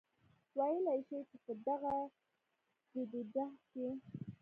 وئيلی شي چې پۀ دغه جدوجهد کې